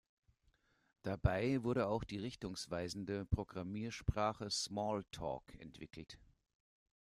Dabei wurde auch die richtungsweisende Programmiersprache Smalltalk entwickelt.